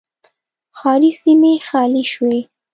ښاري سیمې خالي شوې.